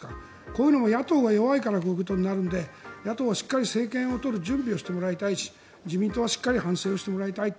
こういうのも野党が弱いからこういうことになるので野党はしっかり政権を取る準備をしてもらいたいし自民党はしっかり反省をしてもらいたい。